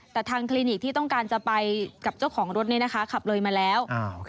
แต่ทางคลินิกที่ต้องการจะไปกับเจ้าของรถขับเลยมาแล้ว